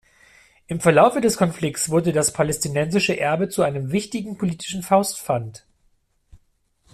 Im Verlaufe des Konflikts wurde das palästinensische Erbe zu einem wichtigen politischen Faustpfand.